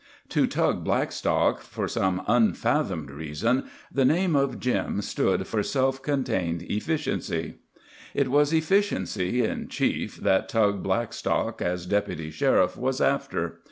To Tug Blackstock, for some unfathomed reason, the name of "Jim" stood for self contained efficiency. It was efficiency, in chief, that Tug Blackstock, as Deputy Sheriff, was after.